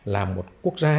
là một quốc gia